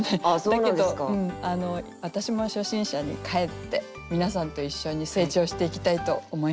だけど私も初心者に返って皆さんと一緒に成長していきたいと思います。